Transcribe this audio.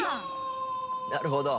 なるほど。